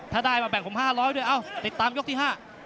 ถ้าได้มาแบ่งผม๕๐๐ด้วยเอ้าติดตามยกที่๕